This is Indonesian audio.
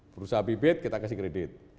berusaha bibit kita kasih kredit